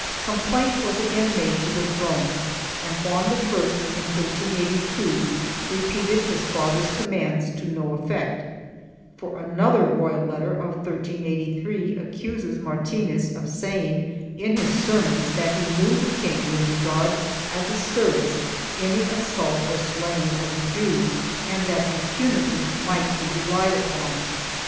Complaint was again made to the throne and Juan I, in 1382, repeated his father's commands to no effect, for another royal letter of 1383 accuses Martinez of saying in his sermons that he knew the king would regard as a service any assault or slaying of the Jews and that impunity might be relied upon.